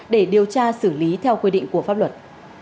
để điều tra xử lý theo quy định của pháp luật